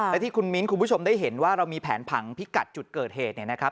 และที่คุณมิ้นท์คุณผู้ชมได้เห็นว่าเรามีแผนผังพิกัดจุดเกิดเหตุเนี่ยนะครับ